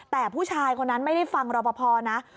แต่ผู้ชายคนนั้นไม่ได้ฟังรอปภนะ